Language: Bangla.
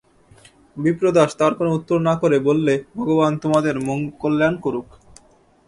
বিপ্রদাস তার কোনো উত্তর না করে বললে, ভগবান তোমাদের কল্যাণ করুন।